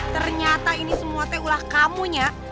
ternyata ini semua teh ulah kamu nya